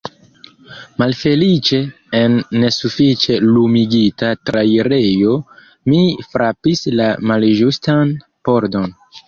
Malfeliĉe en nesufiĉe lumigita trairejo mi frapis la malĝustan pordon.